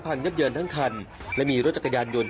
ยับเยินทั้งคันและมีรถจักรยานยนต์